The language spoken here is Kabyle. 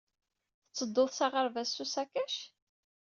Tettedduḍ s aɣerbaz s usakac?